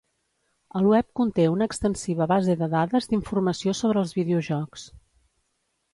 El web conté una extensiva base de dades d'informació sobre els videojocs.